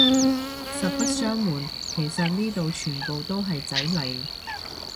實不相暪，其實呢度全部都係仔嚟